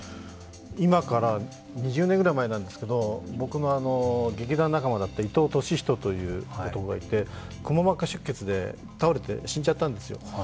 今から２０年ぐらい前なんですけど、僕の劇団仲間だったイトウトシヒトという人がいてくも膜下出血で倒れて死んじゃったんですよ。